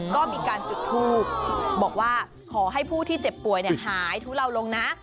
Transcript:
ก็มีการจุดทูบบอกว่าขอให้ผู้ที่เจ็บป่วยหายทุเลาลงนะ